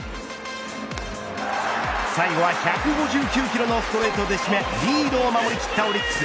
最後は１５９キロのストレートで締めリードを守り切ったオリックス。